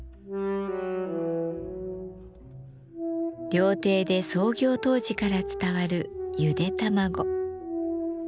料亭で創業当時から伝わるゆで卵。